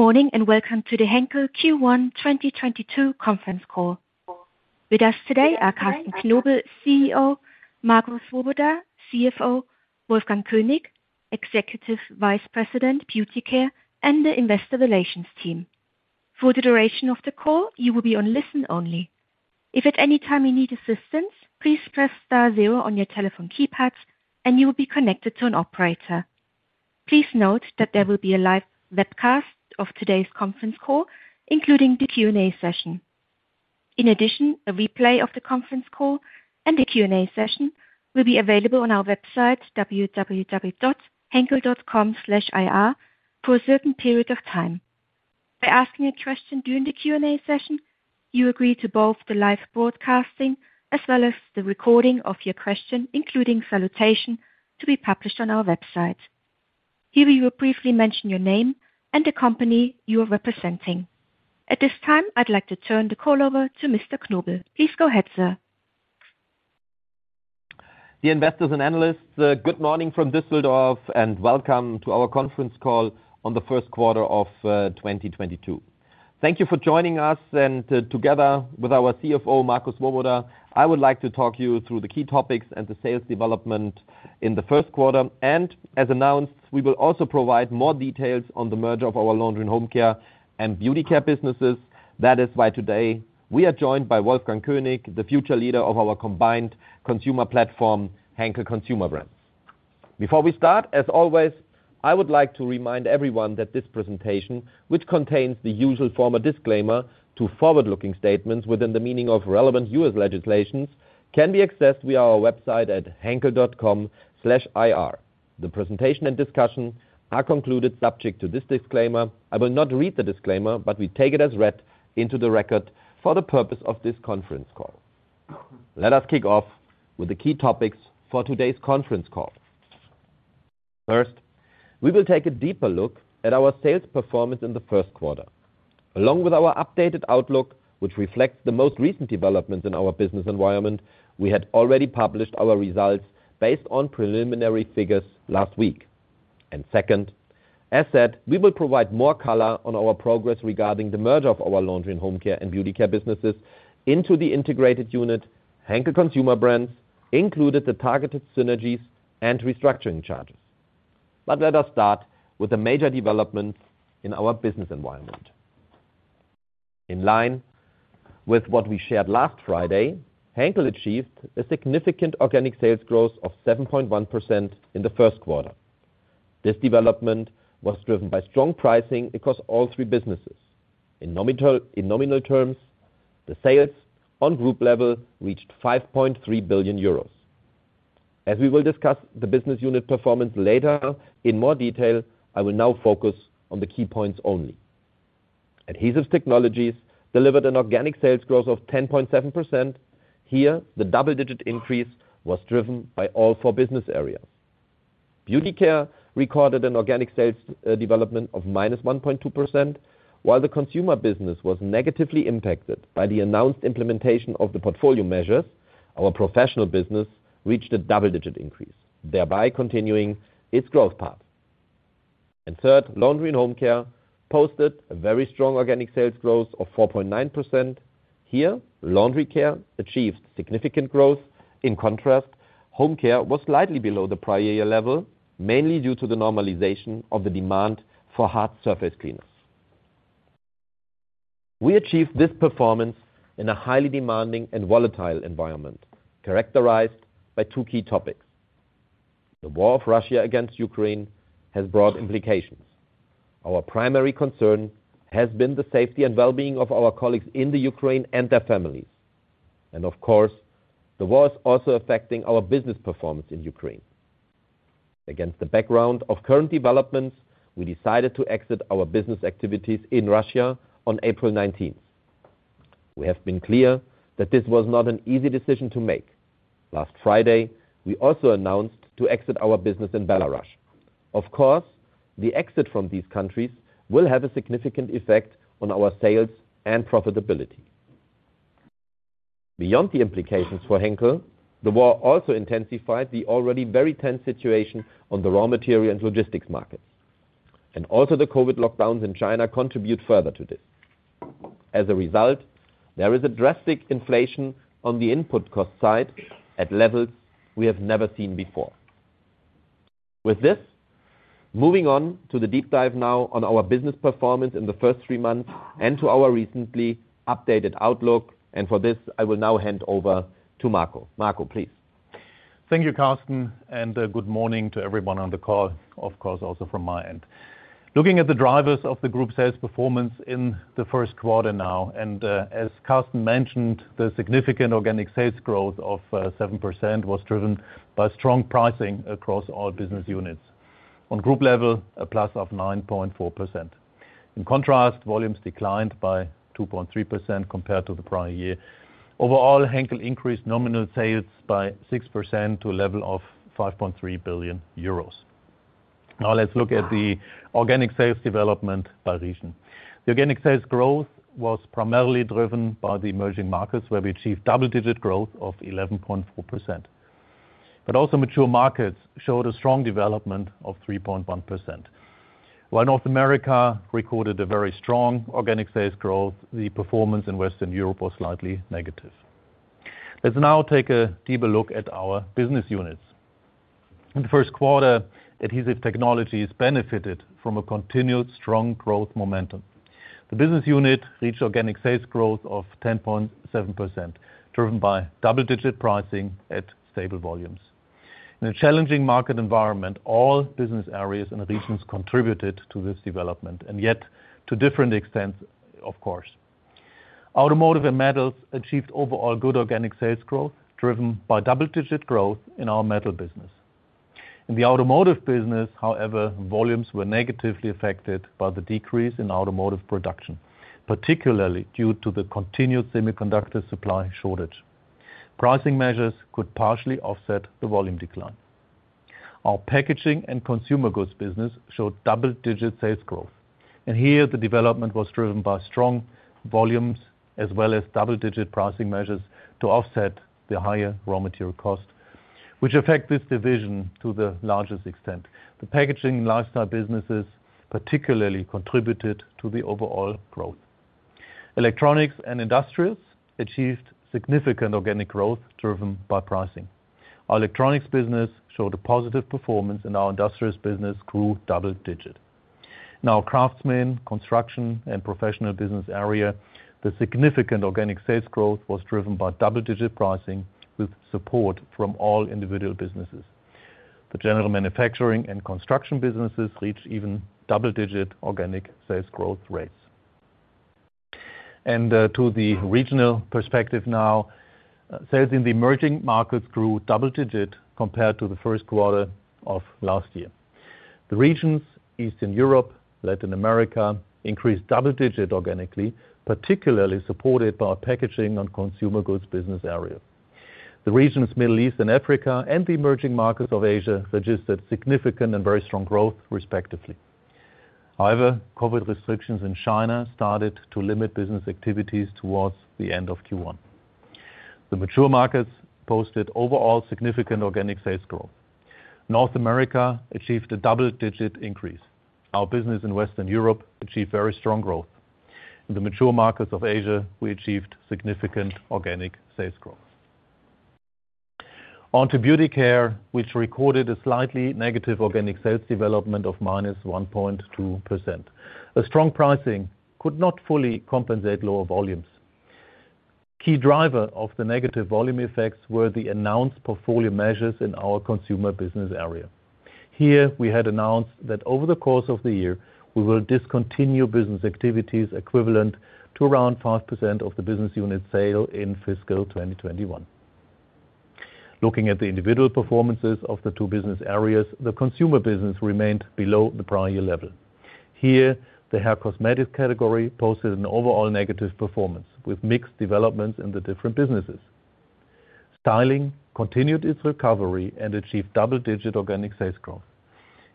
Good morning, and welcome to the Henkel Q1 2022 conference call. With us today are Carsten Knobel, CEO, Marco Swoboda, CFO, Wolfgang König, Executive Vice President Beauty Care, and the Investor Relations team. For the duration of the call, you will be on listen-only. If at any time you need assistance, please press star zero on your telephone keypads, and you will be connected to an operator. Please note that there will be a live webcast of today's conference call, including the Q&A session. In addition, a replay of the conference call and the Q&A session will be available on our website, www.henkel.com/ir for a certain period of time. By asking a question during the Q&A session, you agree to both the live broadcasting as well as the recording of your question, including salutation, to be published on our website. Here you will briefly mention your name and the company you are representing. At this time, I'd like to turn the call over to Mr. Knobel. Please go ahead, sir. Dear investors and analysts, good morning from Düsseldorf, and welcome to our conference call on the first quarter of 2022. Thank you for joining us, and together with our CFO, Marco Swoboda, I would like to talk you through the key topics and the sales development in the first quarter. As announced, we will also provide more details on the merger of our Laundry & Home Care and Beauty Care businesses. That is why today we are joined by Wolfgang König, the future leader of our Combined Consumer platform, Henkel Consumer Brands. Before we start, as always, I would like to remind everyone that this presentation, which contains the usual formal disclaimer to forward-looking statements within the meaning of relevant U.S. legislation, can be accessed via our website at henkel.com/ir. The presentation and discussion are subject to this disclaimer. I will not read the disclaimer, but we take it as read into the record for the purpose of this conference call. Let us kick off with the key topics for today's conference call. First, we will take a deeper look at our sales performance in the first quarter, along with our updated outlook, which reflects the most recent developments in our business environment. We had already published our results based on preliminary figures last week. Second, as said, we will provide more color on our progress regarding the merger of our Laundry & Home Care and Beauty Care businesses into the integrated unit, Henkel Consumer Brands, including the targeted synergies and restructuring charges. Let us start with the major developments in our business environment. In line with what we shared last Friday, Henkel achieved a significant organic sales growth of 7.1% in the first quarter. This development was driven by strong pricing across all three businesses. In nominal terms, the sales on group level reached 5.3 billion euros. As we will discuss the business unit performance later in more detail, I will now focus on the key points only. Adhesive Technologies delivered an organic sales growth of 10.7%. Here, the double-digit increase was driven by all four business areas. Beauty Care recorded an organic sales development of -1.2%. While the Consumer business was negatively impacted by the announced implementation of the portfolio measures, our Professional business reached a double-digit increase, thereby continuing its growth path. Third, Laundry & Home Care posted a very strong organic sales growth of 4.9%. Here, Laundry Care achieved significant growth. In contrast, Home Care was slightly below the prior year level, mainly due to the normalization of the demand for hard surface cleaners. We achieved this performance in a highly demanding and volatile environment characterized by two key topics. The war of Russia against Ukraine has broad implications. Our primary concern has been the safety and well-being of our colleagues in the Ukraine and their families. Of course, the war is also affecting our business performance in Ukraine. Against the background of current developments, we decided to exit our business activities in Russia on April 19th. We have been clear that this was not an easy decision to make. Last Friday, we also announced to exit our business in Belarus. Of course, the exit from these countries will have a significant effect on our sales and profitability. Beyond the implications for Henkel, the war also intensified the already very tense situation on the raw material and logistics markets. Also the COVID lockdowns in China contribute further to this. As a result, there is a drastic inflation on the input cost side at levels we have never seen before. With this, moving on to the deep dive now on our business performance in the first three months and to our recently updated outlook. For this, I will now hand over to Marco. Marco, please. Thank you, Carsten, and, good morning to everyone on the call, of course, also from my end. Looking at the drivers of the group sales performance in the first quarter now, and, as Carsten mentioned, the significant organic sales growth of 7% was driven by strong pricing across all business units. On group level, a plus of 9.4%. In contrast, volumes declined by 2.3% compared to the prior year. Overall, Henkel increased nominal sales by 6% to a level of 5.3 billion euros. Now let's look at the organic sales development by region. The organic sales growth was primarily driven by the emerging markets, where we achieved double-digit growth of 11.4%. Also mature markets showed a strong development of 3.1%. While North America recorded a very strong organic sales growth, the performance in Western Europe was slightly negative. Let's now take a deeper look at our business units. In the first quarter, Adhesive Technologies benefited from a continued strong growth momentum. The business unit reached organic sales growth of 10.7%, driven by double-digit pricing at stable volumes. In a challenging market environment, all business areas and regions contributed to this development, and yet to different extents, of course. Automotive & Metals achieved overall good organic sales growth, driven by double-digit growth in our metal business. In the Automotive business, however, volumes were negatively affected by the decrease in automotive production, particularly due to the continued semiconductor supply shortage. Pricing measures could partially offset the volume decline. Our Packaging and Consumer Goods business showed double-digit sales growth, and here the development was driven by strong volumes as well as double-digit pricing measures to offset the higher raw material cost, which affect this division to the largest extent. The Packaging and Lifestyle businesses particularly contributed to the overall growth. Electronics & Industrials achieved significant organic growth driven by pricing. Our Electronics business showed a positive performance, and our Industrials business grew double-digit. In our Craftsman, Construction, & Professional business area, the significant organic sales growth was driven by double-digit pricing with support from all individual businesses. The general manufacturing and construction businesses reached even double-digit organic sales growth rates. To the regional perspective now, sales in the emerging markets grew double-digit compared to the first quarter of last year. The regions Eastern Europe, Latin America increased double-digit organically, particularly supported by our packaging and consumer goods business area. The regions Middle East and Africa and the emerging markets of Asia registered significant and very strong growth respectively. However, COVID restrictions in China started to limit business activities towards the end of Q1. The mature markets posted overall significant organic sales growth. North America achieved a double-digit increase. Our business in Western Europe achieved very strong growth. In the mature markets of Asia, we achieved significant organic sales growth. On to Beauty Care, which recorded a slightly negative organic sales development of -1.2%. A strong pricing could not fully compensate lower volumes. Key driver of the negative volume effects were the announced portfolio measures in our Consumer business area. Here, we had announced that over the course of the year, we will discontinue business activities equivalent to around 5% of the business unit sales in fiscal 2021. Looking at the individual performances of the two business areas, the Consumer business remained below the prior year level. Here, the hair cosmetics category posted an overall negative performance with mixed developments in the different businesses. Styling continued its recovery and achieved double-digit organic sales growth.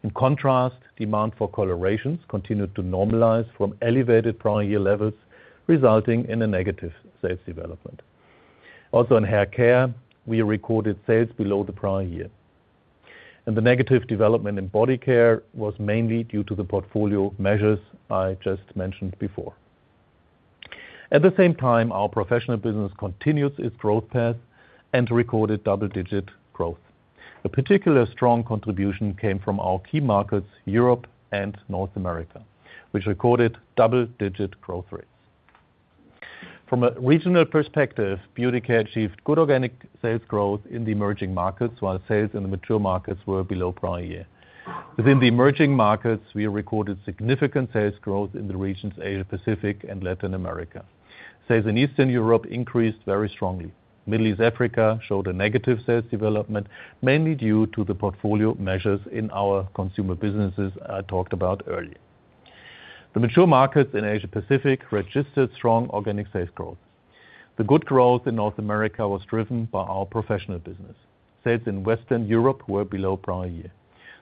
In contrast, demand for colorations continued to normalize from elevated prior year levels, resulting in a negative sales development. Also, in Hair Care, we recorded sales below the prior year. The negative development in Body Care was mainly due to the portfolio measures I just mentioned before. At the same time, our Professional business continues its growth path and recorded double-digit growth. A particularly strong contribution came from our key markets, Europe and North America, which recorded double-digit growth rates. From a regional perspective, Beauty Care achieved good organic sales growth in the emerging markets, while sales in the mature markets were below prior year. Within the emerging markets, we recorded significant sales growth in the regions Asia-Pacific and Latin America. Sales in Eastern Europe increased very strongly. Middle East Africa showed a negative sales development, mainly due to the portfolio measures in our Consumer businesses I talked about earlier. The mature markets in Asia-Pacific registered strong organic sales growth. The good growth in North America was driven by our Professional business. Sales in Western Europe were below prior year.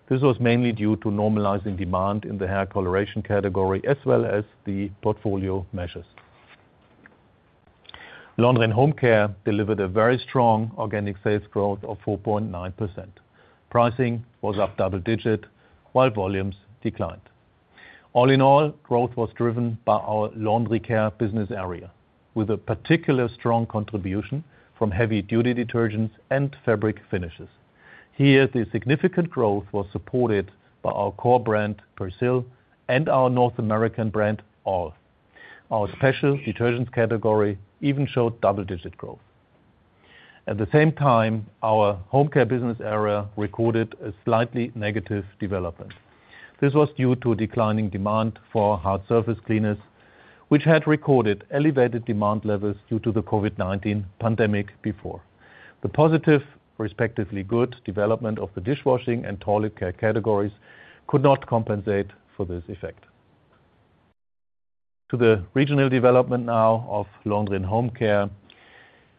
This was mainly due to normalizing demand in the hair coloration category as well as the portfolio measures. Laundry & Home Care delivered a very strong organic sales growth of 4.9%. Pricing was up double-digit, while volumes declined. All-in-all, growth was driven by our Laundry Care business area, with a particularly strong contribution from heavy-duty detergents and fabric finishes. Here, the significant growth was supported by our core brand, Persil, and our North American brand, all. Our special detergents category even showed double-digit growth. At the same time, our Home Care business area recorded a slightly negative development. This was due to a declining demand for hard surface cleaners, which had recorded elevated demand levels due to the COVID-19 pandemic before. The positive, respectively good, development of the Dishwashing and Toilet Care categories could not compensate for this effect. To the regional development now of Laundry & Home Care.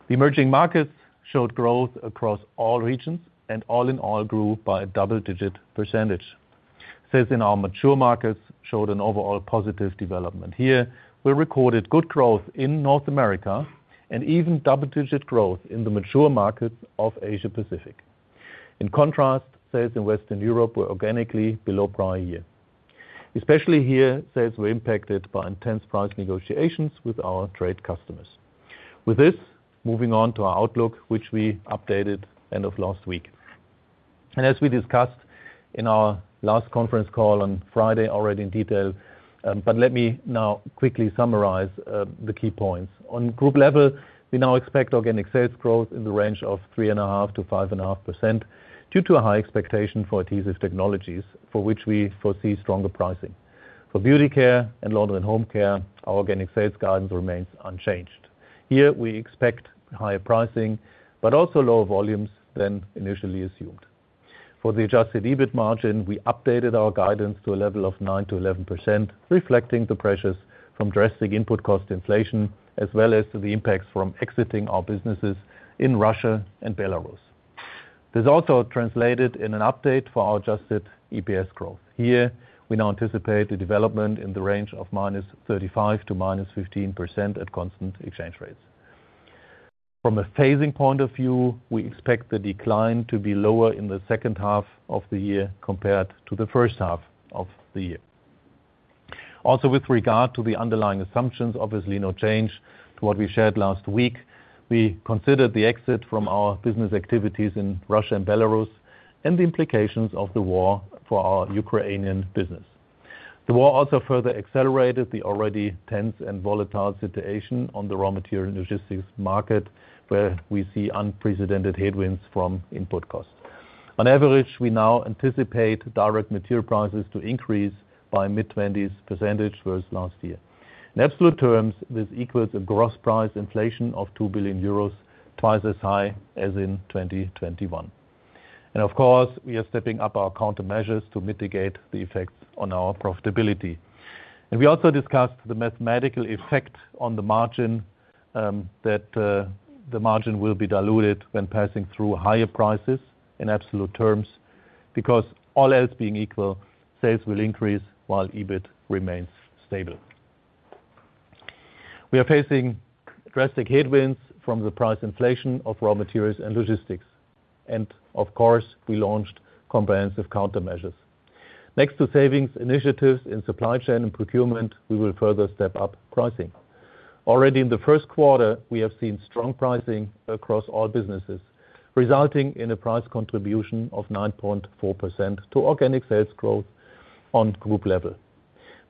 The emerging markets showed growth across all regions, and all-in-all grew by a double-digit percentage. Sales in our mature markets showed an overall positive development. Here, we recorded good growth in North America and even double-digit growth in the mature markets of Asia-Pacific. In contrast, sales in Western Europe were organically below prior year. Especially here, sales were impacted by intense price negotiations with our trade customers. With this, moving on to our outlook, which we updated end of last week. As we discussed in our last conference call on Friday already in detail, but let me now quickly summarize, the key points. On group level, we now expect organic sales growth in the range of 3.5%-5.5% due to a high expectation for Adhesive Technologies, for which we foresee stronger pricing. For Beauty Care and Laundry & Home Care, our organic sales guidance remains unchanged. Here, we expect higher pricing but also lower volumes than initially assumed. For the adjusted EBIT margin, we updated our guidance to a level of 9%-11%, reflecting the pressures from drastic input cost inflation as well as the impacts from exiting our businesses in Russia and Belarus. This also translated in an update for our adjusted EPS growth. Here, we now anticipate a development in the range of -35% to -15% at constant exchange rates. From a phasing point of view, we expect the decline to be lower in the second half of the year compared to the first half of the year. Also, with regard to the underlying assumptions, obviously no change to what we shared last week. We considered the exit from our business activities in Russia and Belarus and the implications of the war for our Ukrainian business. The war also further accelerated the already tense and volatile situation on the raw material and logistics market, where we see unprecedented headwinds from input costs. On average, we now anticipate direct material prices to increase by mid-20s percentage versus last year. In absolute terms, this equals a gross price inflation of 2 billion euros, twice as high as in 2021. Of course, we are stepping up our countermeasures to mitigate the effects on our profitability. We also discussed the mathematical effect on the margin, that the margin will be diluted when passing through higher prices in absolute terms, because all else being equal, sales will increase while EBIT remains stable. We are facing drastic headwinds from the price inflation of raw materials and logistics, and of course, we launched comprehensive countermeasures. Thanks to savings initiatives in supply chain and procurement, we will further step up pricing. Already in the first quarter, we have seen strong pricing across all businesses, resulting in a price contribution of 9.4% to organic sales growth on group level.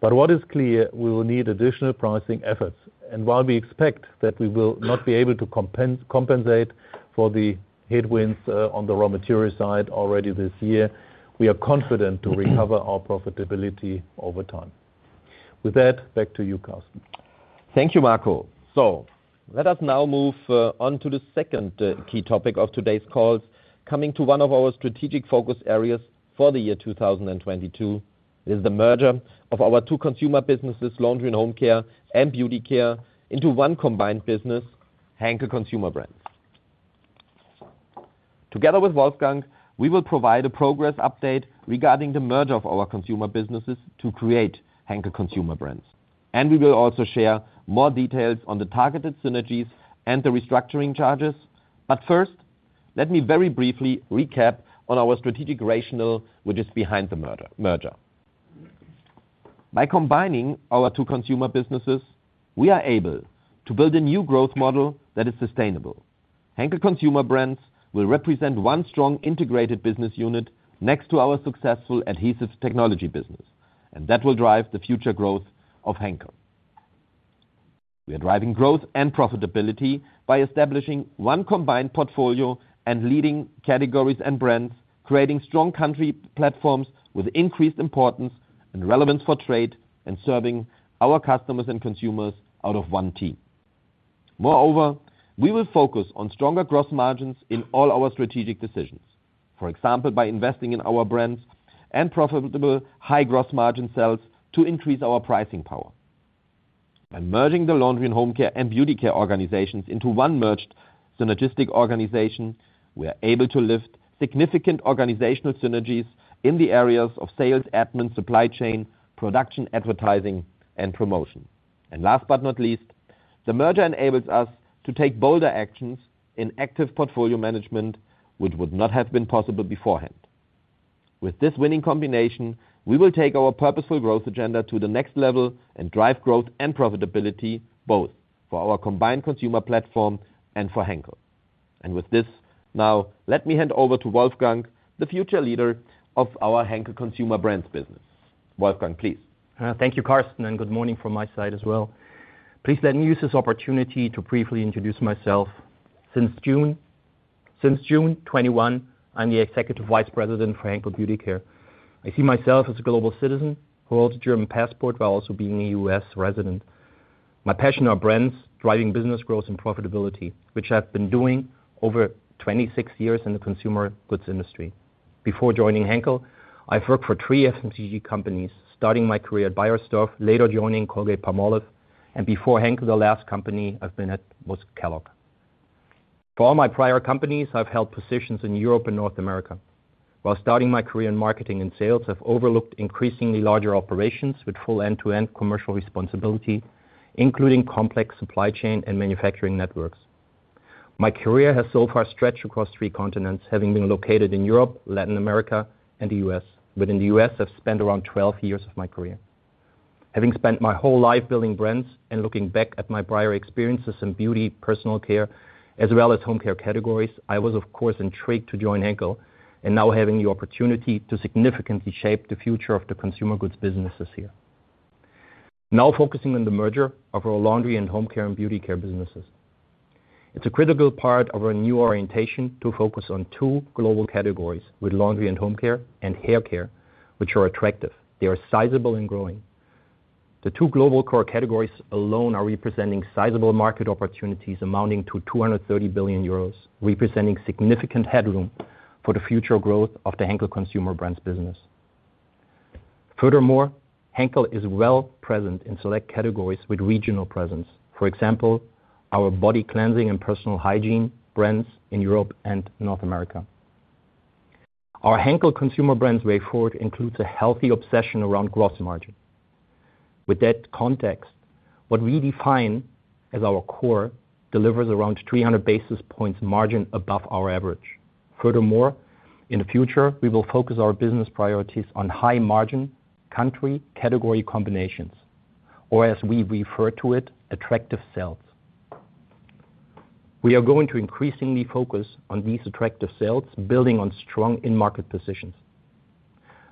What is clear, we will need additional pricing efforts. While we expect that we will not be able to compensate for the headwinds on the raw material side already this year, we are confident to recover our profitability over time. With that, back to you, Carsten. Thank you, Marco. Let us now move on to the second key topic of today's call, coming to one of our strategic focus areas for the year 2022 is the merger of our two consumer businesses, Laundry & Home Care and Beauty Care, into one combined business, Henkel Consumer Brands. Together with Wolfgang, we will provide a progress update regarding the merger of our consumer businesses to create Henkel Consumer Brands. We will also share more details on the targeted synergies and the restructuring charges. First, let me very briefly recap on our strategic rationale, which is behind the merger. By combining our two consumer businesses, we are able to build a new growth model that is sustainable. Henkel Consumer Brands will represent one strong integrated business unit next to our successful Adhesive Technologies business, and that will drive the future growth of Henkel. We are driving growth and profitability by establishing one combined portfolio and leading categories and brands, creating strong country platforms with increased importance and relevance for trade, and serving our customers and consumers out of one team. Moreover, we will focus on stronger gross margins in all our strategic decisions, for example, by investing in our brands and profitable high gross margin sales to increase our pricing power. By merging the Laundry & Home Care and Beauty Care organizations into one merged synergistic organization, we are able to lift significant organizational synergies in the areas of sales, admin, supply chain, production, advertising, and promotion. Last but not least, the merger enables us to take bolder actions in active portfolio management, which would not have been possible beforehand. With this winning combination, we will take our purposeful growth agenda to the next level and drive growth and profitability both for our combined consumer platform and for Henkel. With this, now let me hand over to Wolfgang, the future leader of our Henkel Consumer Brands business. Wolfgang, please. Thank you, Carsten, and good morning from my side as well. Please let me use this opportunity to briefly introduce myself. Since June 2021, I'm the Executive Vice President for Henkel Beauty Care. I see myself as a global citizen who holds a German passport while also being a U.S. resident. My passion are brands driving business growth and profitability, which I've been doing over 26 years in the consumer goods industry. Before joining Henkel, I've worked for three FMCG companies, starting my career at Beiersdorf, later joining Colgate-Palmolive, and before Henkel, the last company I've been at was Kellogg. For all my prior companies, I've held positions in Europe and North America. While starting my career in marketing and sales, I've overlooked increasingly larger operations with full end-to-end commercial responsibility, including complex supply chain and manufacturing networks. My career has so far stretched across three continents, having been located in Europe, Latin America, and the US. Within the US, I've spent around 12 years of my career. Having spent my whole life building brands and looking back at my prior experiences in beauty, personal care, as well as home care categories, I was of course intrigued to join Henkel, and now having the opportunity to significantly shape the future of the consumer goods businesses here. Now focusing on the merger of our Laundry & Home Care and Beauty Care businesses. It's a critical part of our new orientation to focus on two global categories, with Laundry & Home Care and Hair Care, which are attractive. They are sizable and growing. The two global core categories alone are representing sizable market opportunities amounting to 230 billion euros, representing significant headroom for the future growth of the Henkel Consumer Brands business. Furthermore, Henkel is well present in select categories with regional presence. For example, our body cleansing and personal hygiene brands in Europe and North America. Our Henkel Consumer Brands way forward includes a healthy obsession around gross margin. With that context, what we define as our core delivers around 300 basis points margin above our average. Furthermore, in the future, we will focus our business priorities on high margin country category combinations, or as we refer to it, attractive sales. We are going to increasingly focus on these attractive sales, building on strong in-market positions.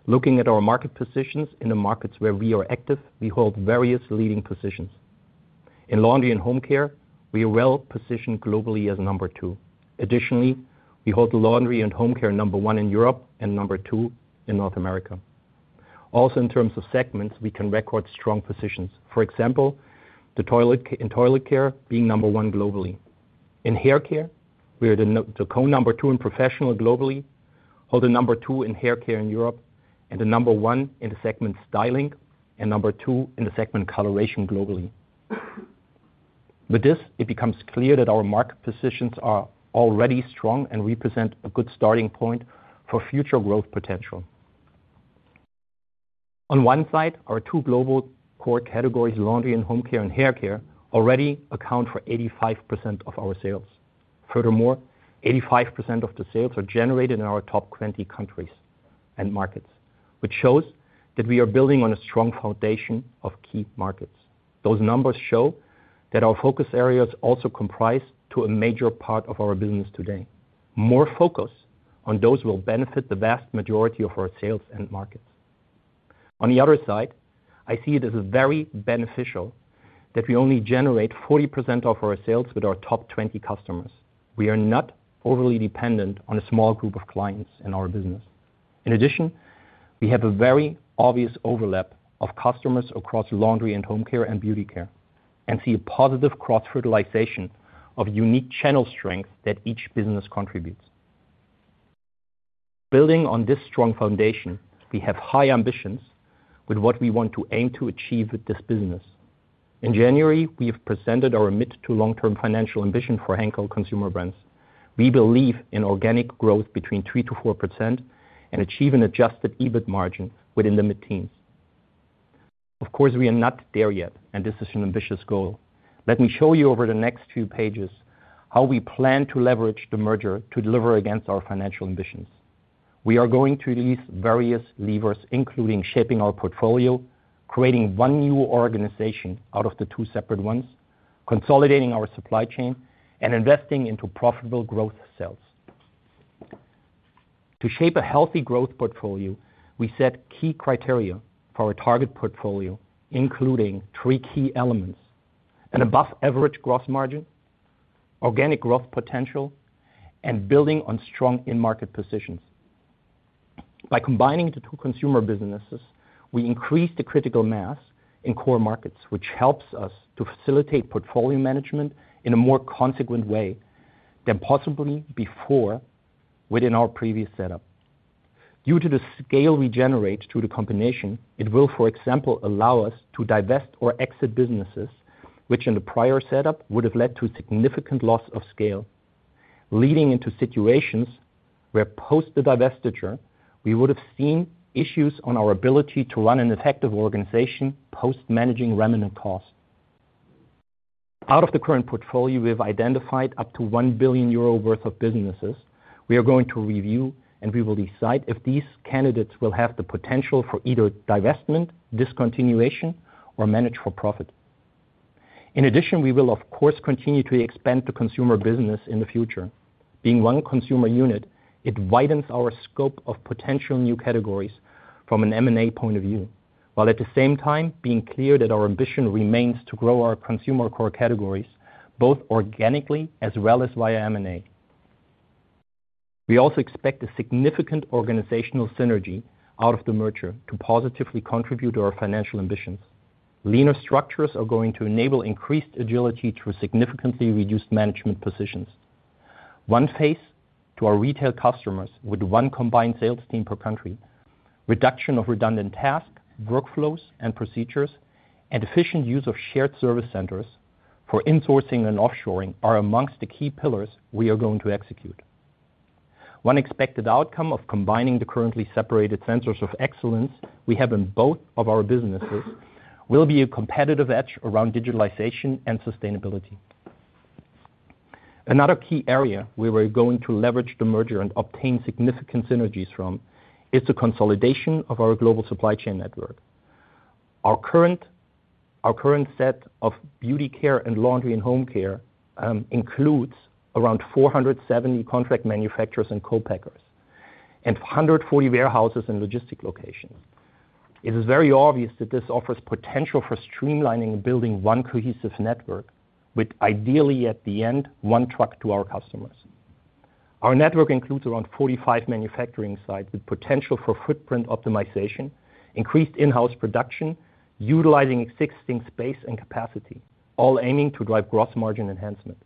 Looking at our market positions in the markets where we are active, we hold various leading positions. In Laundry & Home Care, we are well positioned globally as number two. Additionally, we hold Laundry & Home Care number one in Europe and number two in North America. Also, in terms of segments, we can record strong positions. For example, in Toilet Care, being number one globally. In Hair Care, we are the number two in professional globally, are the number two in Hair Care in Europe, and the number one in the segment styling, and number two in the segment coloration globally. With this, it becomes clear that our market positions are already strong and represent a good starting point for future growth potential. On one side, our two global core categories, Laundry & Home Care and Hair Care, already account for 85% of our sales. Furthermore, 85% of the sales are generated in our top 20 countries and markets, which shows that we are building on a strong foundation of key markets. Those numbers show that our focus areas also comprise to a major part of our business today. More focus on those will benefit the vast majority of our sales end markets. On the other side, I see it as very beneficial that we only generate 40% of our sales with our top 20 customers. We are not overly dependent on a small group of clients in our business. In addition, we have a very obvious overlap of customers across Laundry & Home Care and Beauty Care, and see a positive cross-fertilization of unique channel strength that each business contributes. Building on this strong foundation, we have high ambitions with what we want to aim to achieve with this business. In January, we have presented our mid- to long-term financial ambition for Henkel Consumer Brands. We believe in organic growth between 3%-4% and achieve an adjusted EBIT margin within the mid-teens. Of course, we are not there yet, and this is an ambitious goal. Let me show you over the next few pages how we plan to leverage the merger to deliver against our financial ambitions. We are going to release various levers, including shaping our portfolio, creating one new organization out of the two separate ones, consolidating our supply chain, and investing into profitable growth sales. To shape a healthy growth portfolio, we set key criteria for our target portfolio, including three key elements, an above-average gross margin, organic growth potential, and building on strong in-market positions By combining the two consumer businesses, we increase the critical mass in core markets, which helps us to facilitate portfolio management in a more consequent way than possibly before within our previous setup. Due to the scale we generate through the combination, it will, for example, allow us to divest or exit businesses, which in the prior setup, would have led to significant loss of scale, leading into situations where post the divestiture, we would have seen issues on our ability to run an effective organization, post managing remnant costs. Out of the current portfolio, we have identified up to 1 billion euro worth of businesses we are going to review, and we will decide if these candidates will have the potential for either divestment, discontinuation, or manage for profit. In addition, we will of course, continue to expand the Consumer business in the future. Being one consumer unit, it widens our scope of potential new categories from an M&A point of view. While at the same time being clear that our ambition remains to grow our consumer core categories, both organically as well as via M&A. We also expect a significant organizational synergy out of the merger to positively contribute to our financial ambitions. Leaner structures are going to enable increased agility through significantly reduced management positions. One face to our retail customers with one combined sales team per country. Reduction of redundant tasks, workflows, and procedures, and efficient use of shared service centers for insourcing and offshoring are amongst the key pillars we are going to execute. One expected outcome of combining the currently separated centers of excellence we have in both of our businesses will be a competitive edge around digitalization and sustainability. Another key area where we're going to leverage the merger and obtain significant synergies from is the consolidation of our global supply chain network. Our current set of Beauty Care and Laundry & Home Care includes around 470 contract manufacturers and co-packers, and 140 warehouses and logistic locations. It is very obvious that this offers potential for streamlining and building one cohesive network with ideally, at the end, one truck to our customers. Our network includes around 45 manufacturing sites with potential for footprint optimization, increased in-house production, utilizing existing space and capacity, all aiming to drive gross margin enhancement.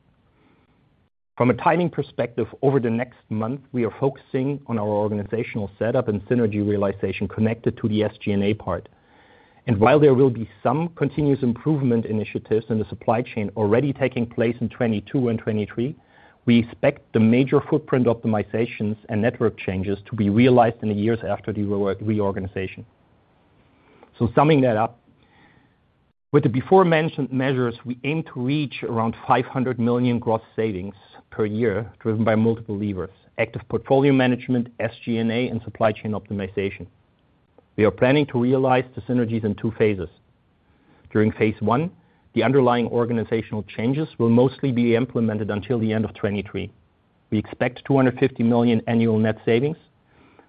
From a timing perspective, over the next month, we are focusing on our organizational setup and synergy realization connected to the SG&A part. While there will be some continuous improvement initiatives in the supply chain already taking place in 2022 and 2023, we expect the major footprint optimizations and network changes to be realized in the years after the reorganization. Summing that up, with the before mentioned measures, we aim to reach around 500 million gross savings per year, driven by multiple levers, active portfolio management, SG&A, and supply chain optimization. We are planning to realize the synergies in two phases. During phase one, the underlying organizational changes will mostly be implemented until the end of 2023. We expect 250 million annual net savings,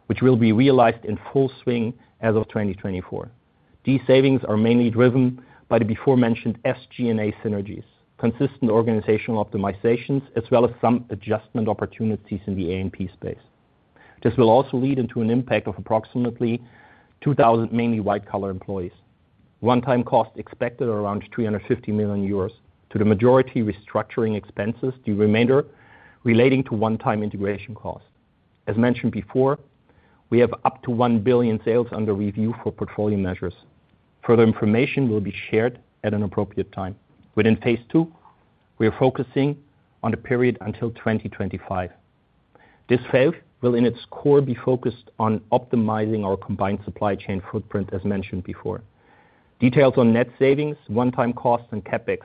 which will be realized in full swing as of 2024. These savings are mainly driven by the before mentioned SG&A synergies, consistent organizational optimizations, as well as some adjustment opportunities in the A&P space. This will also lead into an impact of approximately 2,000 mainly white collar employees. One-time cost expected around 350 million euros to the majority restructuring expenses, the remainder relating to one-time integration costs. As mentioned before, we have up to 1 billion sales under review for portfolio measures. Further information will be shared at an appropriate time. Within phase two, we are focusing on the period until 2025. This phase will, in its core, be focused on optimizing our combined supply chain footprint, as mentioned before. Details on net savings, one-time costs, and CapEx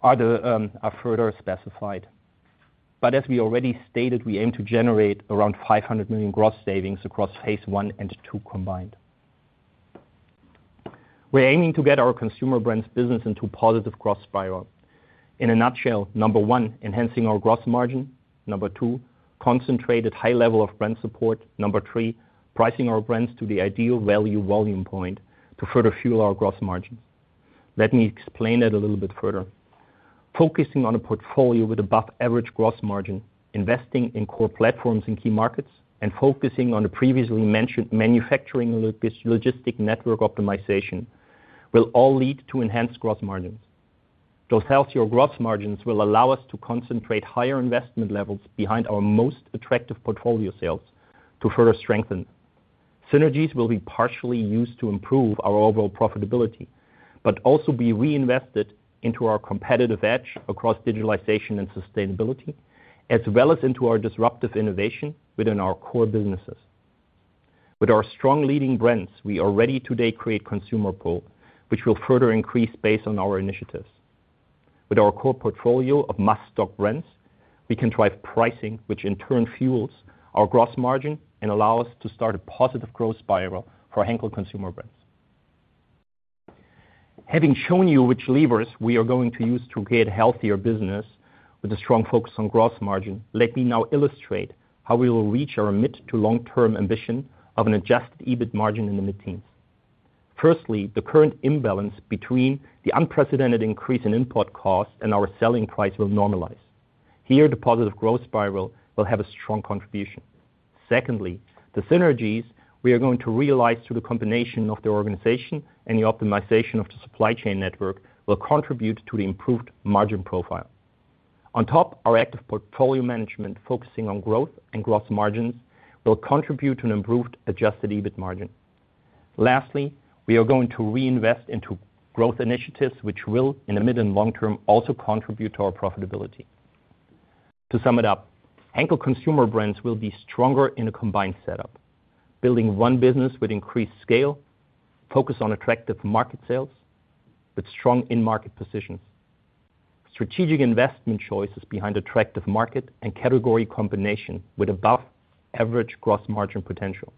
are further specified. As we already stated, we aim to generate around 500 million gross savings across phase one and two combined. We're aiming to get our Consumer Brands business into positive cross spiral. In a nutshell, number one, enhancing our gross margin. Number two, concentrated high level of brand support. Number three, pricing our brands to the ideal value volume point to further fuel our gross margin. Let me explain that a little bit further. Focusing on a portfolio with above average gross margin, investing in core platforms in key markets, and focusing on the previously mentioned manufacturing logistic network optimization, will all lead to enhanced gross margins. Those healthier gross margins will allow us to concentrate higher investment levels behind our most attractive portfolio sales to further strengthen. Synergies will be partially used to improve our overall profitability, but also be reinvested into our competitive edge across digitalization and sustainability, as well as into our disruptive innovation within our core businesses. With our strong leading brands, we are ready to create consumer pull, which will further increase based on our initiatives. With our core portfolio of must-stock brands, we can drive pricing, which in turn fuels our gross margin and allow us to start a positive growth spiral for Henkel Consumer Brands. Having shown you which levers we are going to use to create healthier business with a strong focus on gross margin, let me now illustrate how we will reach our mid- to long-term ambition of an adjusted EBIT margin in the mid-teens. Firstly, the current imbalance between the unprecedented increase in input costs and our selling price will normalize. Here, the positive growth spiral will have a strong contribution. Secondly, the synergies we are going to realize through the combination of the organization and the optimization of the supply chain network will contribute to the improved margin profile. On top, our active portfolio management, focusing on growth and gross margins, will contribute to an improved adjusted EBIT margin. Lastly, we are going to reinvest into growth initiatives, which will, in the mid and long term, also contribute to our profitability. To sum it up, Henkel Consumer Brands will be stronger in a combined setup. Building one business with increased scale, focus on attractive market sales with strong in-market positions. Strategic investment choices behind attractive market and category combination with above average gross margin potential.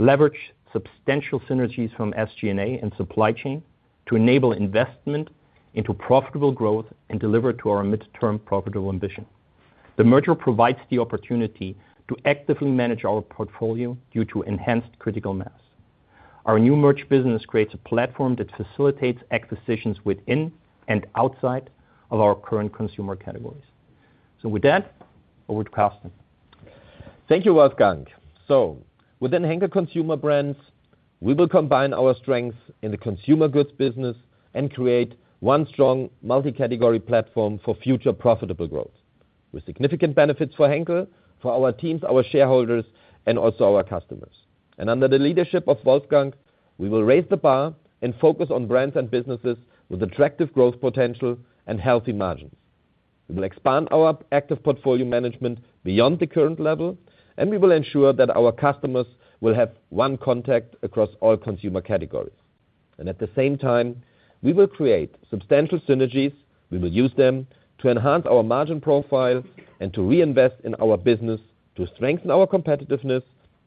Leverage substantial synergies from SG&A and supply chain to enable investment into profitable growth and deliver to our midterm profitable ambition. The merger provides the opportunity to actively manage our portfolio due to enhanced critical mass. Our new merged business creates a platform that facilitates acquisitions within and outside of our current consumer categories. With that, over to Carsten. Thank you, Wolfgang. Within Henkel Consumer Brands, we will combine our strengths in the consumer goods business and create one strong multi-category platform for future profitable growth. With significant benefits for Henkel, for our teams, our shareholders, and also our customers. Under the leadership of Wolfgang, we will raise the bar and focus on brands and businesses with attractive growth potential and healthy margins. We will expand our active portfolio management beyond the current level, and we will ensure that our customers will have one contact across all consumer categories. At the same time, we will create substantial synergies. We will use them to enhance our margin profile and to reinvest in our business to strengthen our competitiveness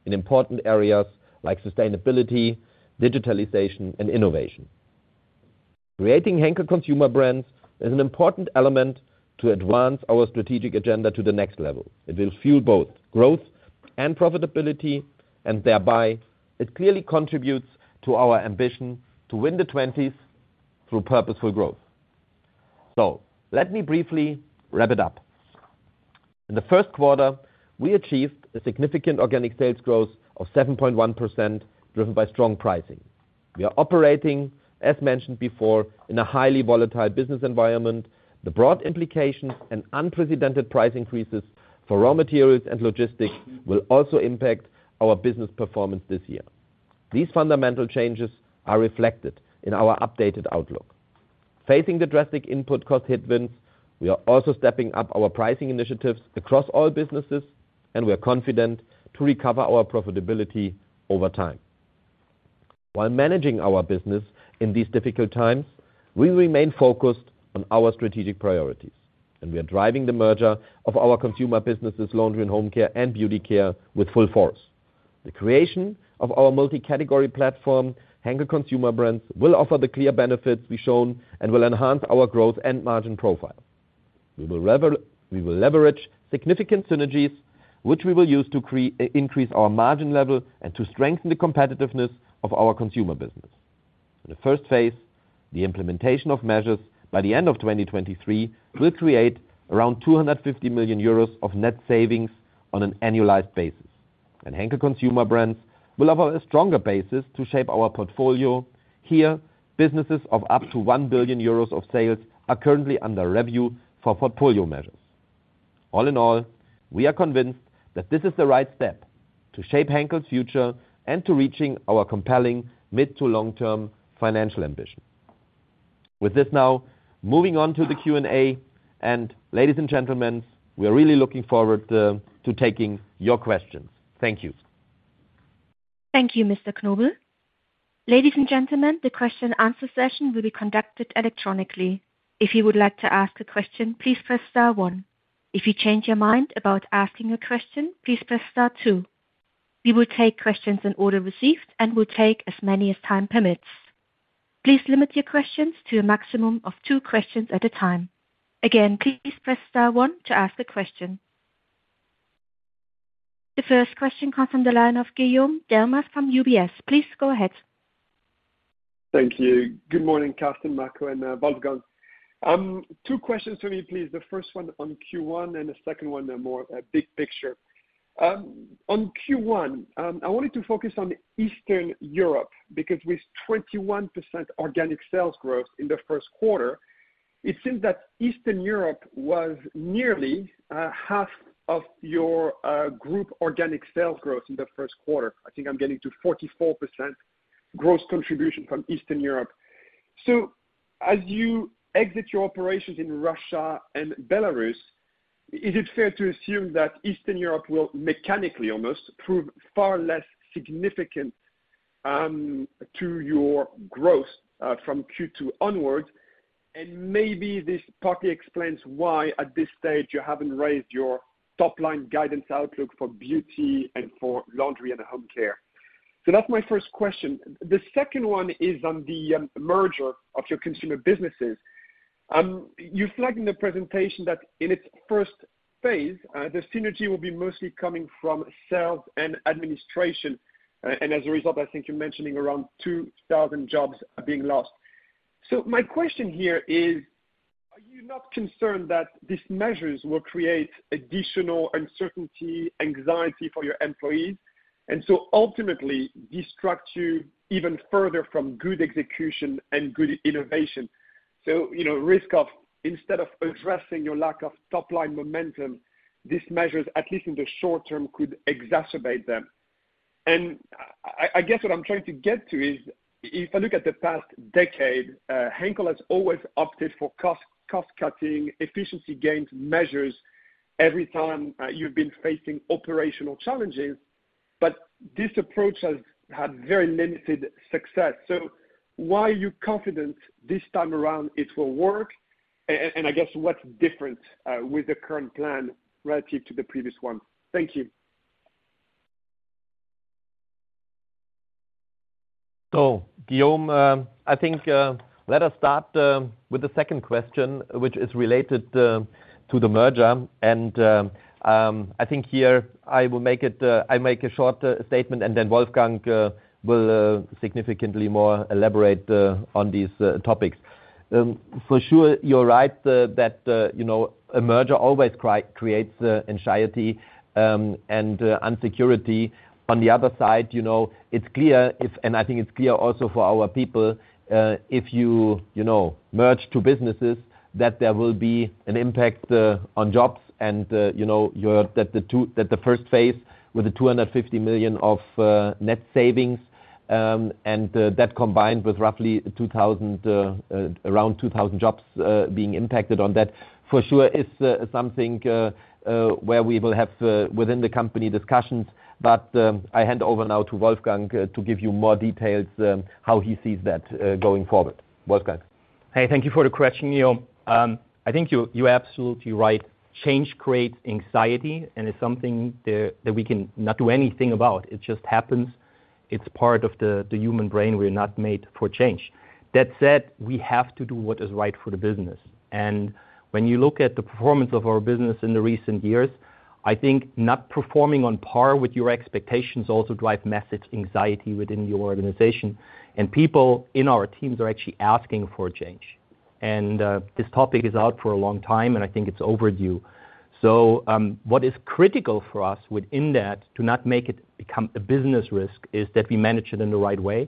in important areas like sustainability, digitalization, and innovation. Creating Henkel Consumer Brands is an important element to advance our strategic agenda to the next level. It will fuel both growth and profitability, and thereby it clearly contributes to our ambition to win the 2020s through purposeful growth. Let me briefly wrap it up. In the first quarter, we achieved a significant organic sales growth of 7.1%, driven by strong pricing. We are operating, as mentioned before, in a highly volatile business environment. The broad implications and unprecedented price increases for raw materials and logistics will also impact our business performance this year. These fundamental changes are reflected in our updated outlook. Facing the drastic input cost headwinds, we are also stepping up our pricing initiatives across all businesses, and we are confident to recover our profitability over time. While managing our business in these difficult times, we remain focused on our strategic priorities, and we are driving the merger of our consumer businesses, Laundry & Home Care and Beauty Care, with full force. The creation of our multi-category platform, Henkel Consumer Brands, will offer the clear benefits we've shown and will enhance our growth and margin profile. We will leverage significant synergies, which we will use to increase our margin level and to strengthen the competitiveness of our Consumer business. In the first phase, the implementation of measures by the end of 2023 will create around 250 million euros of net savings on an annualized basis. Henkel Consumer Brands will offer a stronger basis to shape our portfolio. Here, businesses of up to 1 billion euros of sales are currently under review for portfolio measures. All-in-all, we are convinced that this is the right step to shape Henkel's future and to reaching our compelling mid to long term financial ambition. With this now moving on to the Q&A, and ladies and gentlemen, we are really looking forward to taking your questions. Thank you. Thank you, Carsten Knobel. Ladies and gentlemen, the question-answer-session will be conducted electronically. If you would like to ask a question, please press star one. If you change your mind about asking a question, please press star two. We will take questions in order received and will take as many as time permits. Please limit your questions to a maximum of two questions at a time. Again, please press star one to ask a question. The first question comes from the line of Guillaume Delmas from UBS. Please go ahead. Thank you. Good morning, Carsten, Marco, and Wolfgang. Two questions for me, please. The first one on Q1 and the second one a more big picture. On Q1, I wanted to focus on Eastern Europe because with 21% organic sales growth in the first quarter, it seems that Eastern Europe was nearly half of your group organic sales growth in the first quarter. I think I'm getting to 44% gross contribution from Eastern Europe. As you exit your operations in Russia and Belarus, is it fair to assume that Eastern Europe will mechanically almost prove far less significant to your growth from Q2 onwards? And maybe this partly explains why at this stage you haven't raised your top line guidance outlook for Beauty Care and for Laundry & Home Care. That's my first question. The second one is on the merger of your Consumer businesses. You flag in the presentation that in its first phase, the synergy will be mostly coming from sales and administration. As a result, I think you're mentioning around 2,000 jobs are being lost. My question here is, are you not concerned that these measures will create additional uncertainty, anxiety for your employees? Ultimately distract you even further from good execution and good innovation. You know, risk of instead of addressing your lack of top line momentum, these measures, at least in the short term, could exacerbate them. I guess what I'm trying to get to is if I look at the past decade, Henkel has always opted for cost-cutting, efficiency gains measures every time, you've been facing operational challenges. This approach has had very limited success. Why are you confident this time around it will work? I guess what's different with the current plan relative to the previous one? Thank you. Guillaume, I think let us start with the second question, which is related to the merger. I think here I will make a short statement, and then Wolfgang will significantly more elaborate on these topics. For sure you're right that you know a merger always creates anxiety and uncertainty. On the other side, you know, it's clear if I think it's clear also for our people, if you know, merge two businesses, that there will be an impact on jobs and, you know, that the first phase with the 250 million of net savings, and that combined with around 2,000 jobs being impacted. That for sure is something where we will have within the company discussions. I hand over now to Wolfgang to give you more details how he sees that going forward. Wolfgang. Hey, thank you for the question, Guillaume. I think you're absolutely right. Change creates anxiety, and it's something that we can not do anything about. It just happens. It's part of the human brain. We're not made for change. That said, we have to do what is right for the business. When you look at the performance of our business in the recent years, I think not performing on par with your expectations also drive massive anxiety within your organization. People in our teams are actually asking for change. This topic is out for a long time, and I think it's overdue. What is critical for us within that to not make it become a business risk is that we manage it in the right way.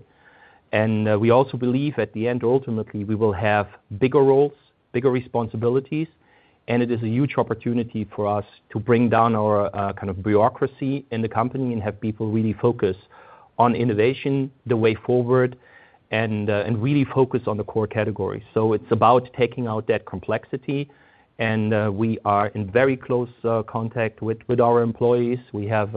We also believe at the end, ultimately, we will have bigger roles, bigger responsibilities, and it is a huge opportunity for us to bring down our kind of bureaucracy in the company and have people really focus on innovation the way forward and really focus on the core categories. It's about taking out that complexity and we are in very close contact with our employees. We have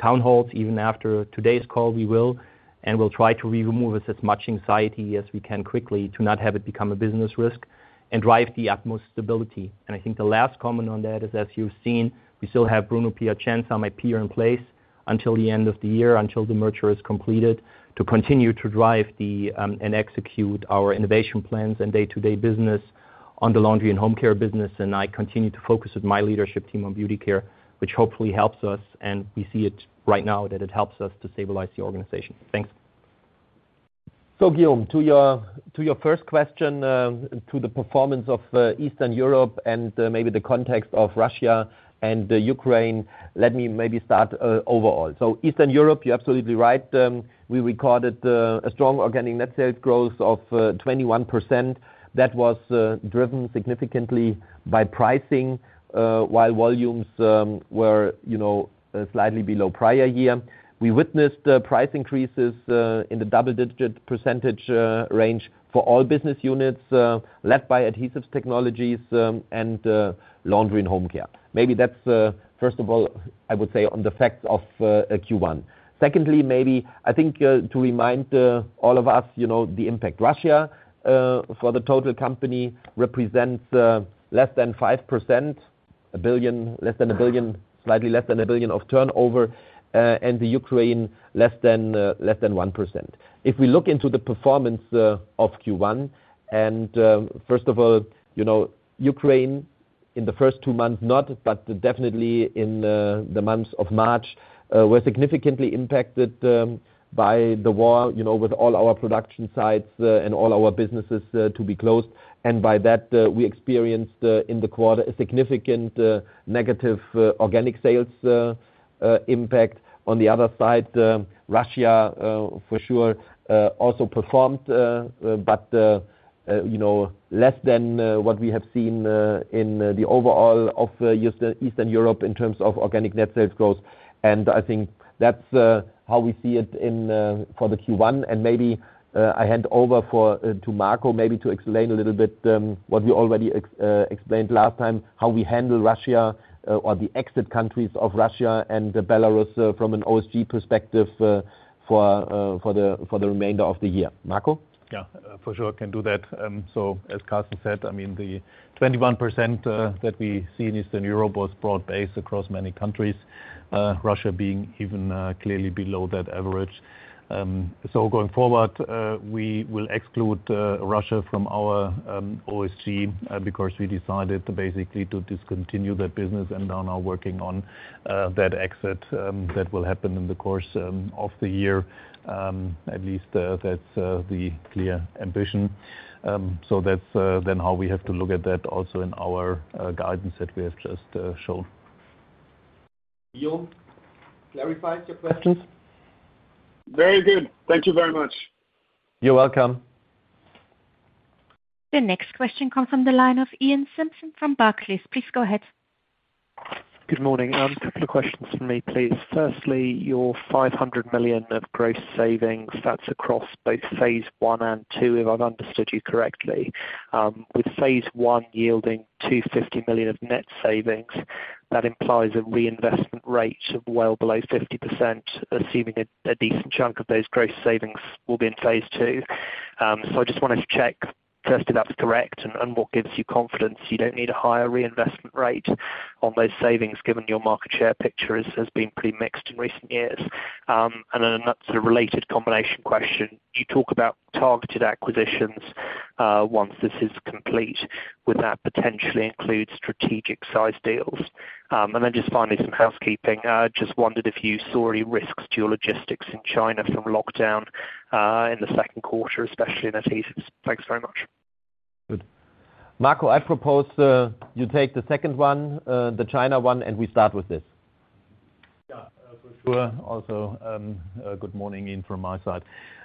town halls. Even after today's call, we'll try to remove as much anxiety as we can quickly to not have it become a business risk and drive the utmost stability. I think the last comment on that is, as you've seen, we still have Bruno Piacenza, my peer in place, until the end of the year, until the merger is completed, to continue to drive the and execute our innovation plans and day-to-day business on the Laundry & Home Care business. I continue to focus with my leadership team on Beauty Care, which hopefully helps us, and we see it right now that it helps us to stabilize the organization. Thanks. Guillaume, to your first question, to the performance of Eastern Europe and maybe the context of Russia and the Ukraine, let me maybe start overall. Eastern Europe, you're absolutely right. We recorded a strong organic net sales growth of 21%. That was driven significantly by pricing, while volumes were, you know, slightly below prior year. We witnessed price increases in the double-digit percentage range for all business units, led by Adhesive Technologies and Laundry & Home Care. Maybe that's first of all, I would say on the facts of Q1. Secondly, maybe I think to remind all of us, you know, the impact. Russia for the total company represents less than 5%, slightly less than 1 billion of turnover. Ukraine, less than 1%. If we look into the performance of Q1, first of all, you know, Ukraine in the first two months but definitely in the months of March were significantly impacted by the war, you know, with all our production sites and all our businesses to be closed. By that, we experienced in the quarter a significant negative organic sales impact. On the other side, Russia, for sure, also performed, but you know, less than what we have seen in the overall CIS and Eastern Europe in terms of organic net sales growth. I think that's how we see it in Q1 and maybe I hand over to Marco, maybe to explain a little bit what we already explained last time, how we handle Russia or the exit countries of Russia and Belarus from an OSG perspective for the remainder of the year. Marco? Yeah. For sure can do that. As Carsten said, I mean the 21% that we see in Eastern Europe was broad-based across many countries, Russia being even clearly below that average. Going forward, we will exclude Russia from our OSG because we decided basically to discontinue that business and are now working on that exit that will happen in the course of the year. At least, that's the clear ambition. That's then how we have to look at that also in our guidance that we have just shown. Guillaume, clarifies your questions? Very good. Thank you very much. You're welcome. The next question comes from the line of Iain Simpson from Barclays. Please go ahead. Good morning. Couple of questions from me, please. Firstly, your 500 million of gross savings, that's across both phase one and two, if I've understood you correctly. With phase one yielding 250 million of net savings, that implies a reinvestment rate of well below 50%, assuming a decent chunk of those gross savings will be in phase two. I just wanted to check first if that's correct and what gives you confidence you don't need a higher reinvestment rate on those savings given your market share picture has been pretty mixed in recent years. Then another sort of related combination question. You talk about targeted acquisitions once this is Complete, would that potentially include strategic size deals? Just finally some housekeeping. Just wondered if you saw any risks to your logistics in China from lockdown, in the second quarter, especially in adhesives. Thanks very much. Good. Marco, I propose, you take the second one, the China one, and we start with this. Yeah, for sure. Also, good morning, Iain, from my side.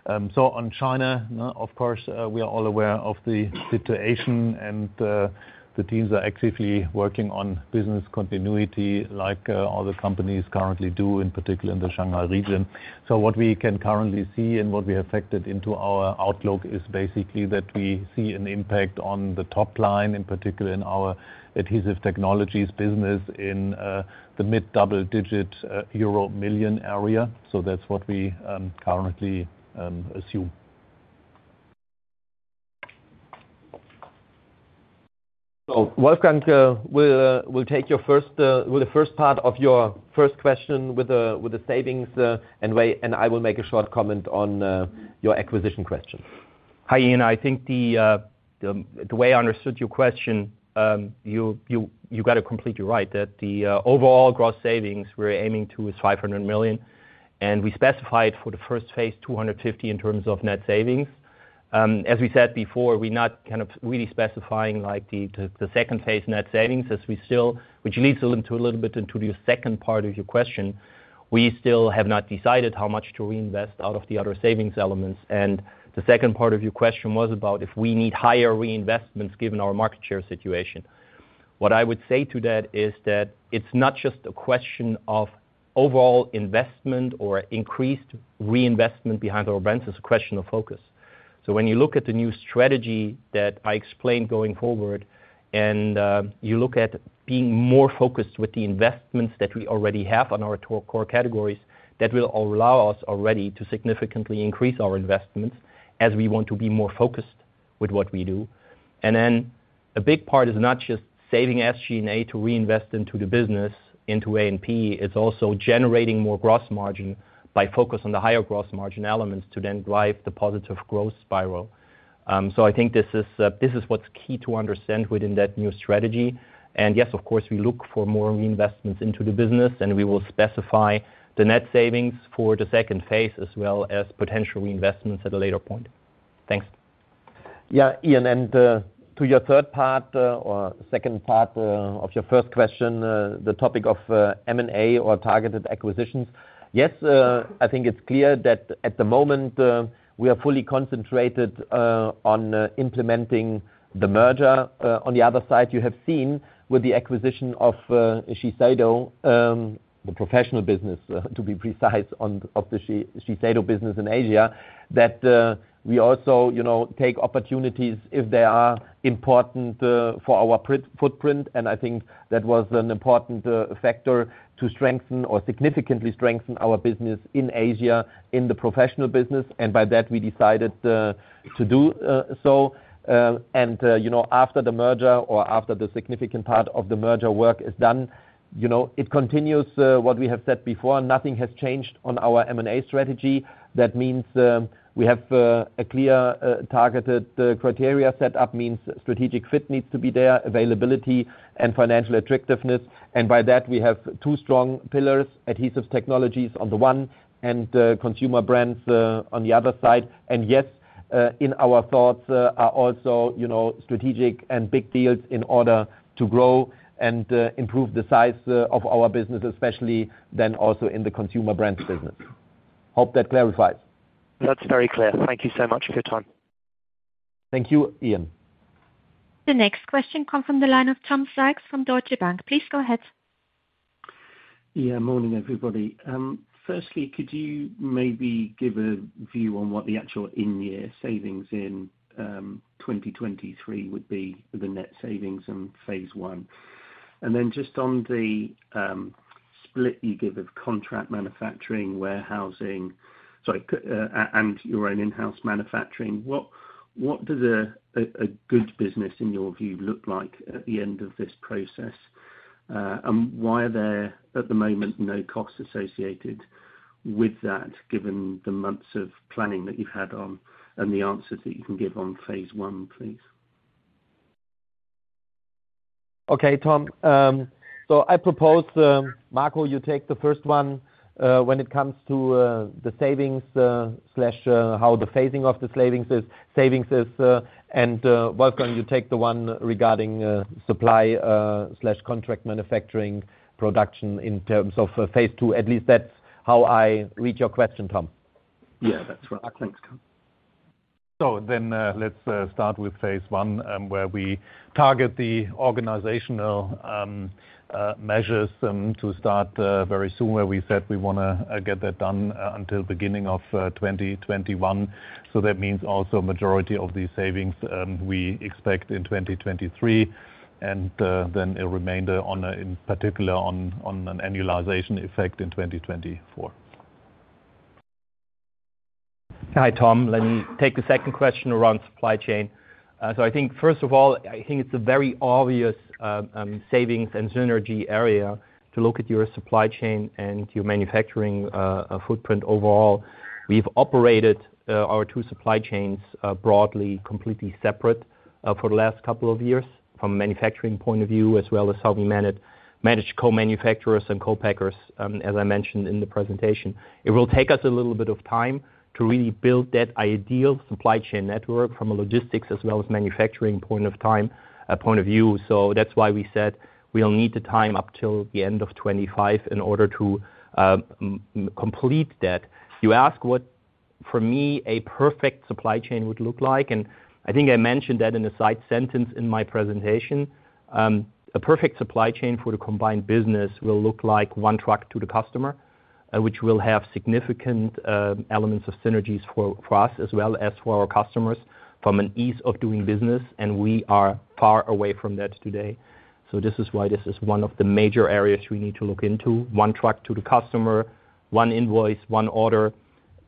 On China, of course, we are all aware of the situation and the teams are actively working on business continuity like other companies currently do, in particular in the Shanghai region. What we can currently see and what we factored into our outlook is basically that we see an impact on the top line, in particular in our Adhesive Technologies business in the mid-double-digit euro million area. That's what we currently assume. Wolfgang, we'll take your first, well, the first part of your first question with the savings, and I will make a short comment on your acquisition question. Hi, Iain. I think the way I understood your question, you got it completely right that the overall gross savings we're aiming to is 500 million. We specified for the first phase 250 in terms of net savings. As we said before, we're not kind of really specifying like the second phase net savings as we still have not decided how much to reinvest out of the other savings elements. Which leads a little bit into the second part of your question. The second part of your question was about if we need higher reinvestments given our market share situation. What I would say to that is that it's not just a question of overall investment or increased reinvestment behind our brands. It's a question of focus. When you look at the new strategy that I explained going forward, and you look at being more focused with the investments that we already have on our two core categories, that will allow us already to significantly increase our investments as we want to be more focused with what we do. Then a big part is not just saving SG&A to reinvest into the business into A&P. It's also generating more gross margin by focus on the higher gross margin elements to then drive the positive growth spiral. I think this is what's key to understand within that new strategy. Yes, of course, we look for more reinvestments into the business, and we will specify the net savings for the second phase as well as potential reinvestments at a later point. Thanks. Yeah. Iain, to your third part, or second part, of your first question, the topic of M&A or targeted acquisitions. Yes, I think it's clear that at the moment, we are fully concentrated on implementing the merger. On the other side, you have seen with the acquisition of Shiseido, the Professional business, to be precise, of the Shiseido business in Asia, that we also, you know, take opportunities if they are important for our footprint. I think that was an important factor to strengthen or significantly strengthen our business in Asia in the Professional business. By that, we decided to do so. You know, after the merger or after the significant part of the merger work is done, you know, it continues what we have said before. Nothing has changed on our M&A strategy. That means, we have a clear targeted criteria set up, means strategic fit needs to be there, availability and financial attractiveness. By that, we have two strong pillars, Adhesive Technologies on the one and Consumer Brands on the other side. Yes, in our thoughts are also, you know, strategic and big deals in order to grow and improve the size of our business, especially than also in the Consumer Brands business. Hope that clarifies. That's very clear. Thank you so much for your time. Thank you, Iain. The next question comes from the line of Tom Sykes from Deutsche Bank. Please go ahead. Yeah. Morning, everybody. Firstly, could you maybe give a view on what the actual in-year savings in 2023 would be for the net savings in phase one? Just on the split you give of contract manufacturing, warehousing, and your own in-house manufacturing, what does a good business in your view look like at the end of this process? Why are there, at the moment, no costs associated with that given the months of planning that you've had on and the answers that you can give on phase one, please? Okay, Tom. I propose, Marco, you take the first one, when it comes to the savings slash how the phasing of the savings is. Wolfgang, you take the one regarding supply slash contract manufacturing production in terms of phase two. At least that's how I read your question, Tom. Yeah, that's right. Thanks. Let's start with phase one, where we target the organizational measures to start very soon, where we said we wanna get that done until beginning of 2021. That means also majority of these savings we expect in 2023 and then a remainder in particular on an annualization effect in 2024. Hi, Tom. Let me take the second question around supply chain. I think first of all, I think it's a very obvious savings and synergy area to look at your supply chain and your manufacturing footprint overall. We've operated our two supply chains broadly completely separate for the last couple of years from a manufacturing point of view, as well as how we manage co-manufacturers and co-packers, as I mentioned in the presentation. It will take us a little bit of time to really build that ideal supply chain network from a logistics as well as manufacturing point of view. That's why we said we'll need the time up till the end of 2025 in order to implement that. You ask what, for me, a perfect supply chain would look like, and I think I mentioned that in a side sentence in my presentation. A perfect supply chain for the combined business will look like one truck to the customer, which will have significant elements of synergies for us as well as for our customers from an ease of doing business, and we are far away from that today. This is why this is one of the major areas we need to look into. One truck to the customer, one invoice, one order,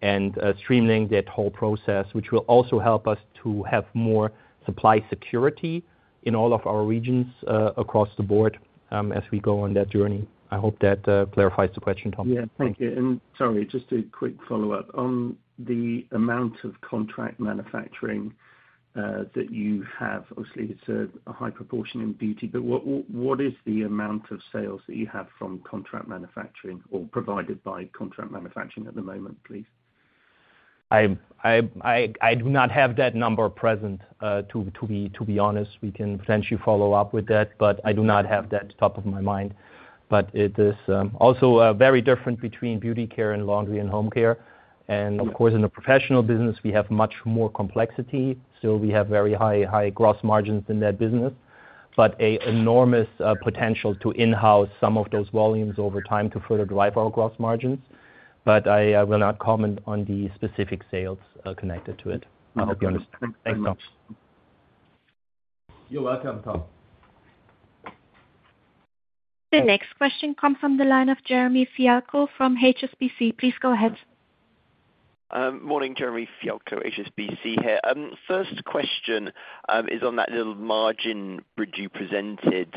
and streamlining that whole process, which will also help us to have more supply security in all of our regions across the board, as we go on that journey. I hope that clarifies the question, Tom. Yeah. Thank you. Sorry, just a quick follow-up. On the amount of contract manufacturing that you have, obviously it's a high proportion in Beauty, but what is the amount of sales that you have from contract manufacturing or provided by contract manufacturing at the moment, please? I do not have that number present to be honest. We can potentially follow up with that, but I do not have that top of my mind. It is also very different between Beauty Care and Laundry & Home Care. Of course, in the Professional business, we have much more complexity, so we have very high gross margins in that business. An enormous potential to in-house some of those volumes over time to further drive our gross margins. I will not comment on the specific sales connected to it. I'll be honest. Understood. Thank you very much. Thanks, Tom. You're welcome, Tom. The next question comes from the line of Jeremy Fialko from HSBC. Please go ahead. Morning, Jeremy Fialko, HSBC here. First question is on that little margin bridge you presented,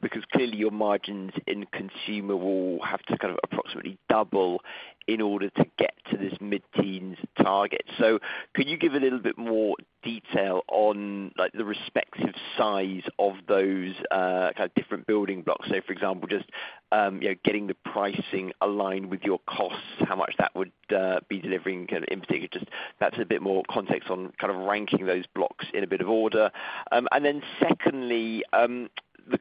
because clearly your margins in consumer will have to kind of approximately double in order to get to this mid-teens target. Could you give a little bit more detail on, like, the respective size of those kind of different building blocks? Say, for example, just you know, getting the pricing aligned with your costs, how much that would be delivering kind of in particular. Just that's a bit more context on kind of ranking those blocks in a bit of order. Secondly, the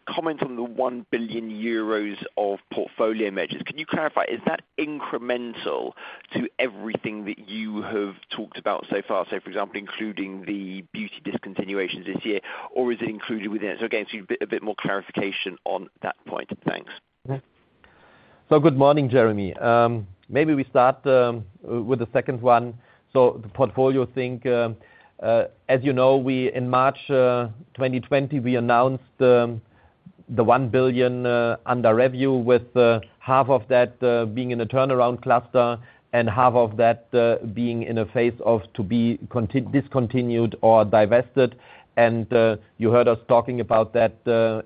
comment on the 1 billion euros of portfolio measures. Can you clarify, is that incremental to everything that you have talked about so far? Say, for example, including the beauty discontinuations this year, or is it included within it? Again, a bit more clarification on that point. Thanks. Good morning, Jeremy. Maybe we start with the second one. The portfolio thing, as you know, we announced in March 2020 the 1 billion under review with half of that being in a turnaround cluster and half of that being in a phase of to be discontinued or divested. You heard us talking about that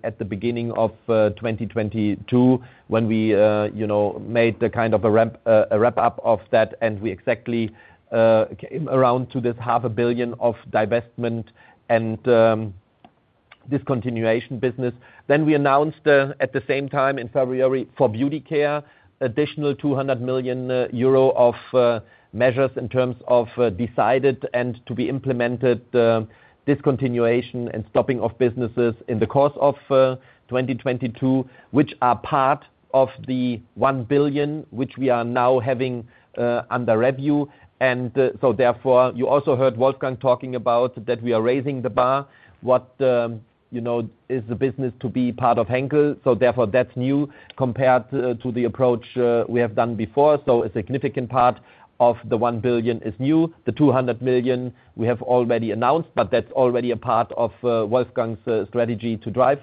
at the beginning of 2022 when we you know made the kind of a wrap-up of that, and we exactly came around to this EUR half a billion of divestment and discontinuation business. We announced at the same time in February for Beauty Care, additional 200 million euro of measures in terms of decided and to be implemented discontinuation and stopping of businesses in the course of 2022, which are part of the 1 billion, which we are now having under review. You also heard Wolfgang talking about that we are raising the bar. What you know is the business to be part of Henkel. That's new compared to the approach we have done before. A significant part of the 1 billion is new. The 200 million we have already announced, but that's already a part of Wolfgang's strategy to drive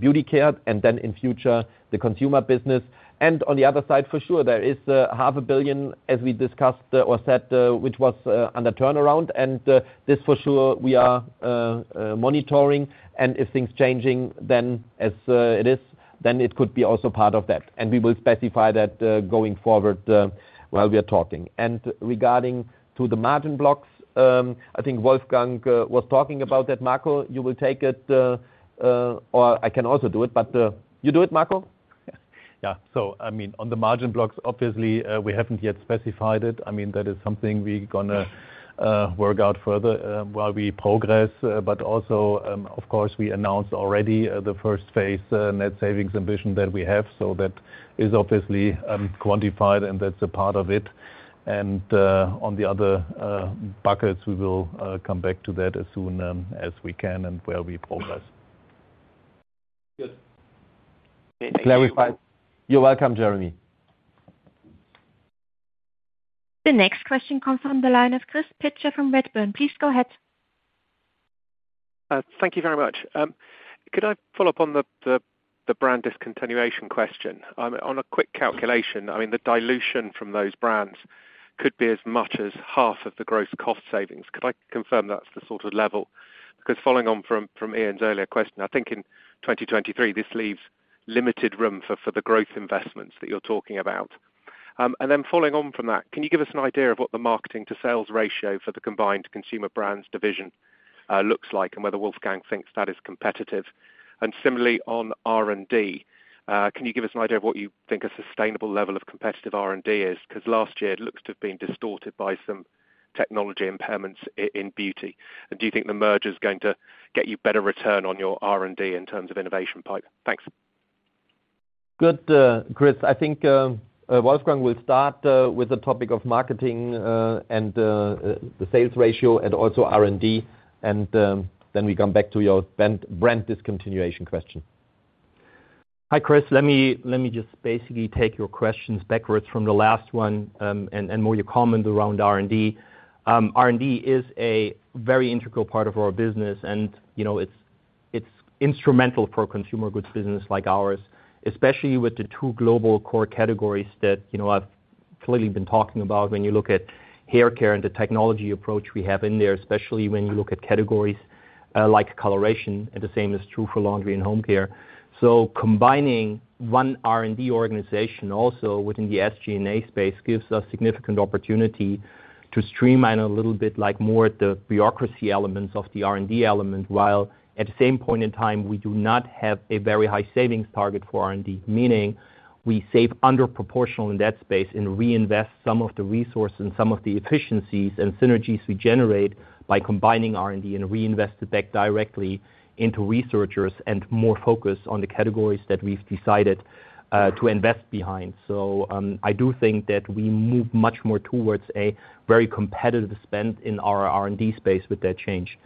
Beauty Care and then in future, the Consumer business. On the other side, for sure, there is 0.5 Billion, as we discussed or set, which was under turnaround. This for sure we are monitoring. If things changing, then as it is, then it could be also part of that. We will specify that going forward while we are talking. Regarding to the margin blocks, I think Wolfgang was talking about that. Marco, you will take it or I can also do it, but you do it, Marco? Yeah. I mean, on the margin blocks, obviously, we haven't yet specified it. I mean, that is something we're gonna work out further while we progress. But also, of course, we announced already the first phase net savings ambition that we have. That is obviously quantified, and that's a part of it. On the other buckets, we will come back to that as soon as we can and where we progress. Good. Okay, thank you. Clarified. You're welcome, Jeremy. The next question comes from the line of Chris Pitcher from Redburn. Please go ahead. Thank you very much. Could I follow-up on the brand discontinuation question? On a quick calculation, I mean, the dilution from those brands could be as much as half of the gross cost savings. Could I confirm that's the sort of level? 'Cause following on from Iain's earlier question, I think in 2023, this leaves limited room for the growth investments that you're talking about. Following on from that, can you give us an idea of what the marketing to sales ratio for the combined Consumer Brands division looks like and whether Wolfgang thinks that is competitive? Similarly, on R&D, can you give us an idea of what you think a sustainable level of competitive R&D is? 'Cause last year it looks to have been distorted by some technology impairments in Beauty. Do you think the merger is going to get you better return on your R&D in terms of innovation pipeline? Thanks. Good, Chris. I think, Wolfgang will start with the topic of marketing and the sales ratio and also R&D and then we come back to your brand discontinuation question. Hi, Chris. Let me just basically take your questions backwards from the last one, and more to your comment around R&D. R&D is a very integral part of our business and, you know, it's instrumental for a consumer goods business like ours, especially with the two global core categories that, you know, I've clearly been talking about when you look at Hair Care and the technology approach we have in there, especially when you look at categories like coloration, and the same is true for Laundry & Home Care. Combining one R&D organization also within the SG&A space gives us significant opportunity to streamline a little bit like more at the bureaucracy elements of the R&D element, while at the same point in time, we do not have a very high savings target for R&D, meaning we save under proportional in that space and reinvest some of the resource and some of the efficiencies and synergies we generate by combining R&D and reinvest it back directly into researchers and more focus on the categories that we've decided to invest behind. I do think that we move much more towards a very competitive spend in our R&D space with that change.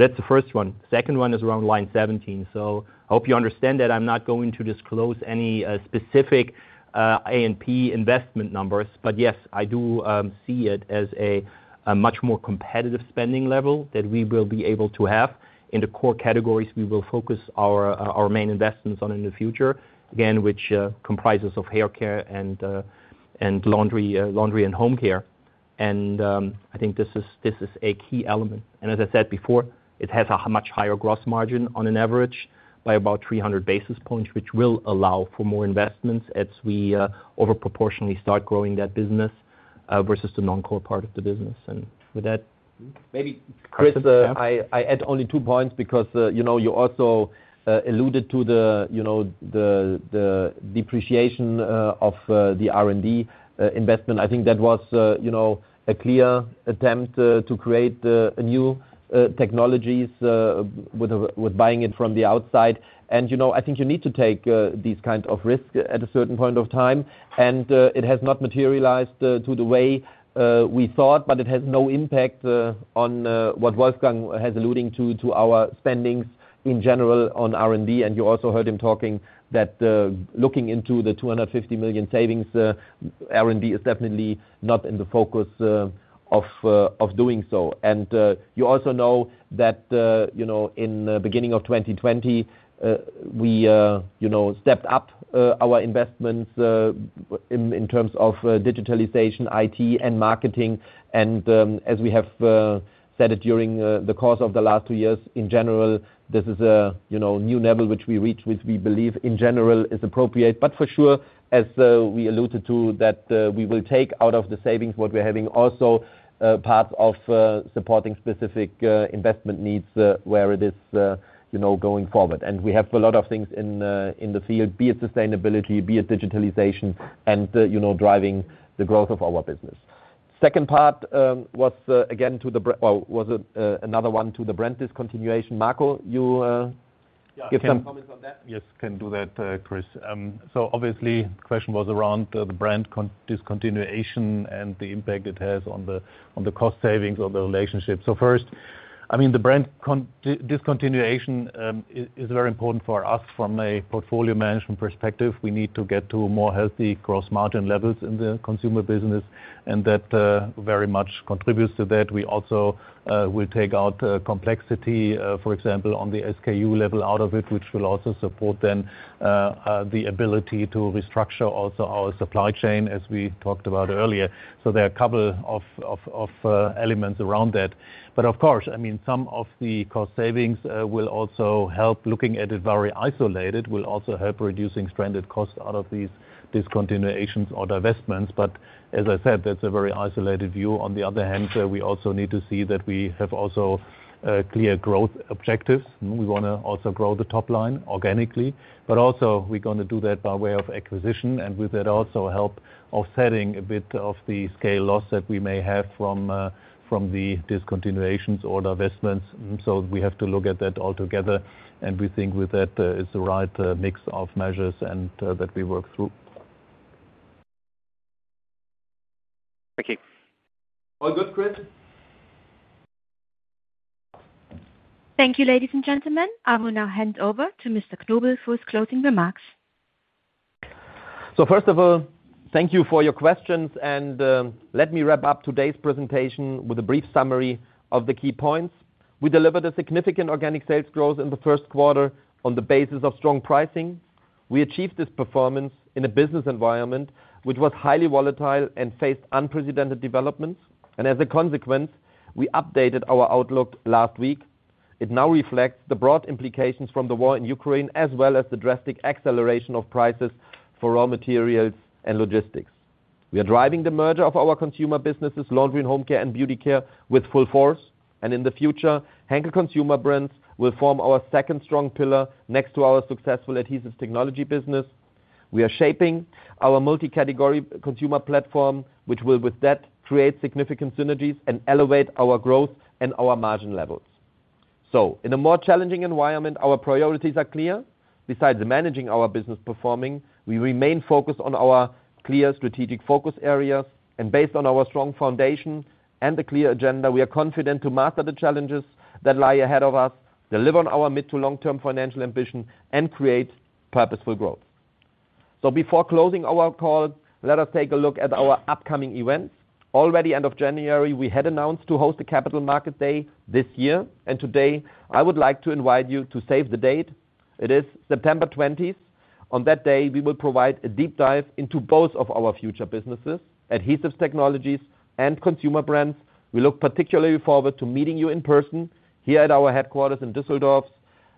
That's the first one. Second one is around Line 70. I hope you understand that I'm not going to disclose any specific A&P investment numbers. Yes, I do see it as a much more competitive spending level that we will be able to have. In the core categories, we will focus our main investments on in the future, again, which comprises of Hair Care and Laundry & Home Care. I think this is a key element. As I said before, it has a much higher gross margin on an average by about 300 basis points, which will allow for more investments as we over proportionally start growing that business versus the non-core part of the business. With that. Maybe, Chris, I add only two points because, you know, you also alluded to the, you know, the depreciation of the R&D investment. I think that was, you know, a clear attempt to create a new technologies with buying it from the outside. You know, I think you need to take these kind of risk at a certain point of time. It has not materialized to the way we thought, but it has no impact on what Wolfgang has alluding to our spendings in general on R&D. You also heard him talking that, looking into the 250 million savings, R&D is definitely not in the focus of doing so. You also know that you know in beginning of 2020 we you know stepped up our investments in terms of digitalization, IT and marketing. As we have said it during the course of the last two years, in general, this is a you know new level which we reach, which we believe in general is appropriate. For sure, as we alluded to, that we will take out of the savings, what we're having also part of supporting specific investment needs where it is you know going forward. We have a lot of things in the field, be it sustainability, be it digitalization and you know driving the growth of our business. Second part was again another one to the brand discontinuation. Marco, you give some- Yeah, can comment on that. Yes, can do that, Chris. Obviously the question was around the brand discontinuation and the impact it has on the cost savings or the relationship. First, I mean, the brand discontinuation is very important for us from a portfolio management perspective. We need to get to a more healthy gross margin levels in the Consumer business, and that very much contributes to that. We also will take out complexity, for example, on the SKU level out of it, which will also support then the ability to restructure also our supply chain as we talked about earlier. There are a couple of elements around that. Of course, I mean, some of the cost savings will also help reducing stranded costs out of these discontinuations or divestments. As I said, that's a very isolated view. On the other hand, we also need to see that we have also clear growth objectives. We wanna also grow the top line organically, but also we're gonna do that by way of acquisition, and with that also help offsetting a bit of the scale loss that we may have from the discontinuations or divestments. We have to look at that altogether, and we think with that is the right mix of measures and that we work through. Thank you. All good, Chris. Thank you, ladies and gentlemen. I will now hand over to Mr. Knobel for his closing remarks. First of all, thank you for your questions and, let me wrap up today's presentation with a brief summary of the key points. We delivered a significant organic sales growth in the first quarter on the basis of strong pricing. We achieved this performance in a business environment which was highly volatile and faced unprecedented developments. As a consequence, we updated our outlook last week. It now reflects the broad implications from the war in Ukraine, as well as the drastic acceleration of prices for raw materials and logistics. We are driving the merger of our consumer businesses, Laundry & Home Care and Beauty Care with full force. In the future, Henkel Consumer Brands will form our second strong pillar next to our successful adhesives technology business. We are shaping our multi-category consumer platform, which will with that create significant synergies and elevate our growth and our margin levels. In a more challenging environment, our priorities are clear. Besides managing our business performing, we remain focused on our clear strategic focus areas. Based on our strong foundation and the clear agenda, we are confident to master the challenges that lie ahead of us, deliver on our mid to long-term financial ambition, and create purposeful growth. Before closing our call, let us take a look at our upcoming events. Already end of January, we had announced to host a Capital Market Day this year. Today, I would like to invite you to save the date. It is September 20th. On that day, we will provide a deep dive into both of our future businesses, Adhesive Technologies and Consumer Brands. We look particularly forward to meeting you in person here at our headquarters in Düsseldorf.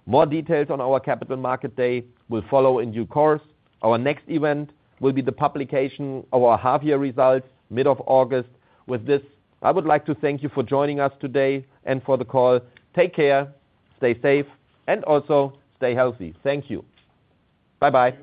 More details on our Capital Market Day will follow in due course. Our next event will be the publication of our half-year results, mid of August. With this, I would like to thank you for joining us today and for the call. Take care, stay safe, and also stay healthy. Thank you. Bye-bye.